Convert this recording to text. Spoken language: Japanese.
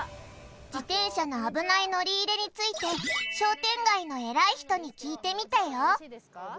自転車の危ない乗り入れについて商店街の偉い人に聞いてみたよ